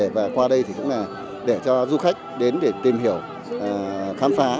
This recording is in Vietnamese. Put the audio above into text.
và qua đây thì cũng là để cho du khách đến để tìm hiểu khám phá